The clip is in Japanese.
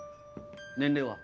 年齢は？